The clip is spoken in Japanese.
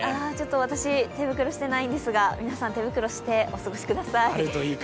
私、手袋してないんですが、皆さん、手袋をしてお過ごしください。